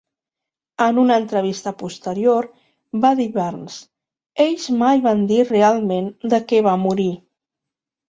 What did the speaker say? En una entrevista posterior, va dir Barnes, ells mai van dir realment de què va morir.